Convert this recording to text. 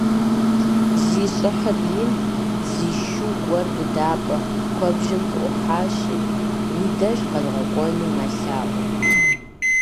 Зи щӀыхьыр ин, зы шу гуэр быдапӀэ куэбжэм къыӀухьащи, уи деж къэдгъэкӀуэну мэлъаӀуэ.